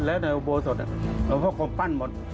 และในอุโบโสตต์หลุมเผาของปั้นหมด